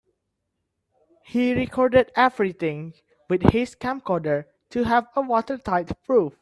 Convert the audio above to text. He recorded everything with his camcorder to have a watertight proof.